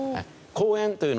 公園というのはね